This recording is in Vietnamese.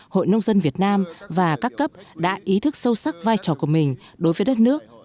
hội nông dân việt nam và các cấp đã ý thức sâu sắc vai trò của mình đối với đất nước